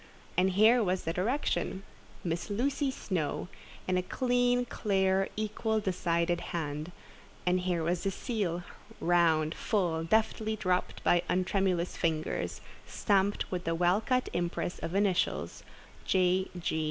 And here was the direction, "Miss Lucy Snowe," in a clean, clear, equal, decided hand; and here was the seal, round, full, deftly dropped by untremulous fingers, stamped with the well cut impress of initials, "J.